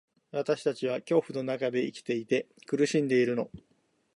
私たちは恐怖の中で生きていて、苦しんでいるの。